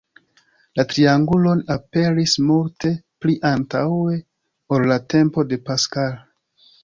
La triangulon aperis multe pli antaŭe ol la tempo de Pascal.